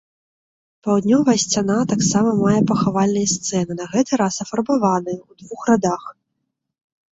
Паўднёвая сцяна таксама мае пахавальныя сцэны, на гэты раз афарбаваныя, у двух радах.